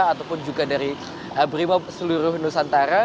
ataupun juga dari brimob seluruh nusantara